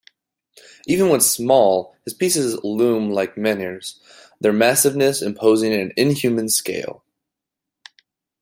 Even when small, his pieces loom like menhirs, their massiveness imposing an inhuman scale.